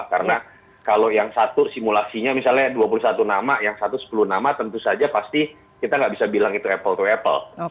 karena kalau yang satu simulasinya misalnya dua puluh satu nama yang satu sepuluh nama tentu saja pasti kita gak bisa bilang itu apple to apple